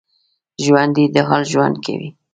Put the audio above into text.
ژوندي د حال ژوند کوي